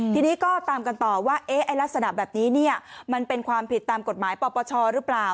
ทีนี้ก็ตามกันต่อว่าลักษณะแบบนี้มันเป็นความผิดตามกฎหมายปปชหรือเปล่า